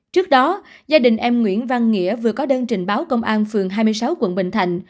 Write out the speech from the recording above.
trước đó gia đình em nguyễn văn nghĩa vừa có đơn trình báo công an phường hai mươi sáu quận bình thạnh